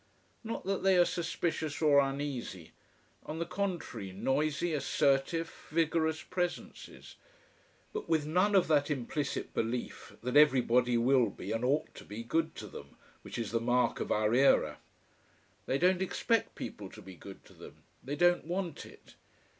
Not that they are suspicious or uneasy. On the contrary, noisy, assertive, vigorous presences. But with none of that implicit belief that everybody will be and ought to be good to them, which is the mark of our era. They don't expect people to be good to them: they don't want it.